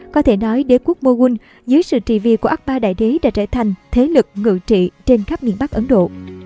có thể nói đế quốc moghun dưới sự trì vì của akbar đại đế đã trở thành thế lực ngự trị trên khắp miền bắc ấn độ